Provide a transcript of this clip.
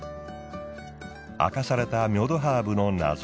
明かされたミョドハーブの謎。